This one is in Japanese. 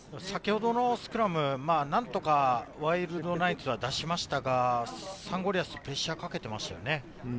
先ほどのスクラム、何とかワイルドナイツは出しましたが、サンゴリアス、プレッシャーかけてましたよね。